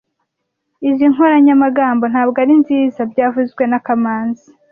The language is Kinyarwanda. Izoi nkoranyamagambo ntabwo ari nziza byavuzwe na kamanzi